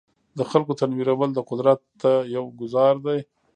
د خلکو تنویرول د قدرت ته یو ګوزار دی.